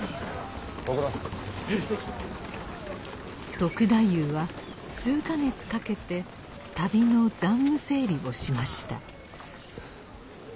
篤太夫は数か月かけて旅の残務整理をしました。